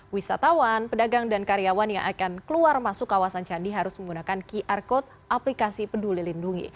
wisatawan pedagang dan karyawan yang akan keluar masuk kawasan candi harus menggunakan qr code aplikasi peduli lindungi